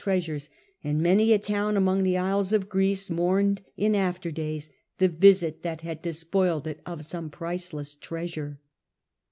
treasurcs, and many a town among the isles of Greece mourned in after days the visit that had des^ poiled it of some priceless treasure.